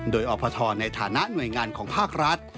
โดยอพทในฐานะหน่วยงานของภาครัฐ